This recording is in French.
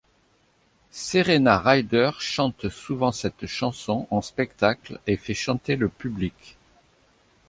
Serena Ryder chante souvent cette chanson en spectacle et fait chanter le public.